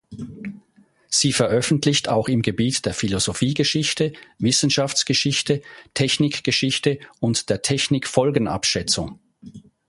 Sie veröffentlicht auch im Gebiet der Philosophiegeschichte, Wissenschaftsgeschichte, Technikgeschichte und der Technikfolgenabschätzung.